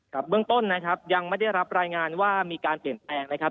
เบื้องต้นนะครับยังไม่ได้รับรายงานว่ามีการเปลี่ยนแปลงนะครับ